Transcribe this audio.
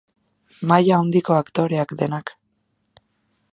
Maila handiko aktoreak denak.